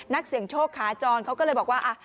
นักเสี่ยงโชคขาจรเขาก็เลยบอกว่า